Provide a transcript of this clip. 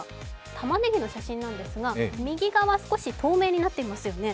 たまねぎの写真なんですが右側少し透明になっていますよね。